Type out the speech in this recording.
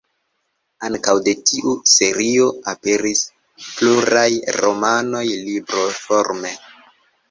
Ankaŭ de tiu serio aperis pluraj romanoj libroforme.